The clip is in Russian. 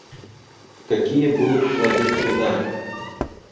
Какие будут плоды труда?